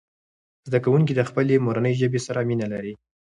زده کوونکي د خپلې مورنۍ ژبې سره مینه لري.